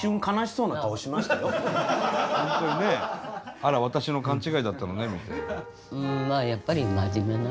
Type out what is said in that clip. あら私の勘違いだったのねみたいな。